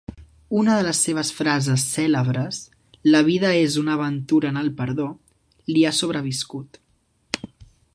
Una de les seves frases cèlebres, "La vida és una aventura en el perdó", li ha sobreviscut.